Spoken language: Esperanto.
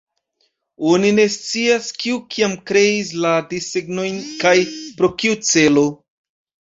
Oni ne scias, kiu kiam kreis la desegnojn kaj por kiu celo.